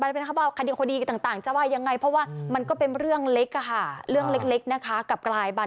ใช่เดินอีกประสบค่ะ